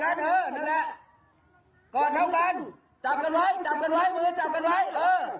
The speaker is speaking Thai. ไฮแอตแต๊กไฮแอตแต๊ก